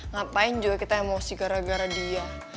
ngapain juga kita emosi gara gara dia